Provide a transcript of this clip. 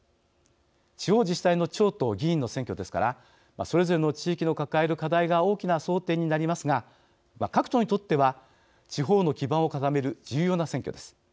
地方自治体の長と議員の選挙ですからそれぞれの地域の抱える課題が大きな争点になりますが各党にとっては、地方の基盤を固める重要な選挙です。